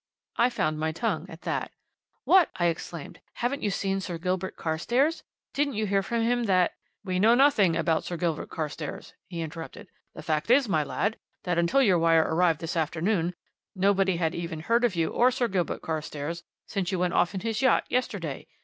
I found my tongue at that. "What!" I exclaimed. "Haven't you seen Sir Gilbert Carstairs? Didn't you hear from him that " "We know nothing about Sir Gilbert Carstairs," he interrupted. "The fact is, my lad, that until your wire arrived this afternoon, nobody had even heard of you and Sir Gilbert Carstairs since you went off in his yacht yesterday.